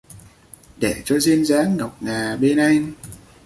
Để cho duyên dáng ngọc ngà bên anh